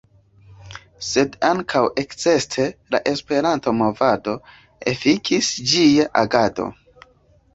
Sed ankaŭ ekster la Esperanto-movado efikis ĝia agado.